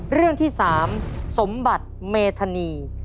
เรื่องที่๓สมบัติเมธานี